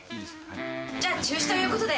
「じゃあ中止ということで」